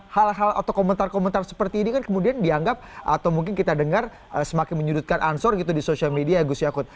hal hal atau komentar komentar seperti ini kan kemudian dianggap atau mungkin kita dengar semakin menyudutkan ansor gitu di sosial media gus yakut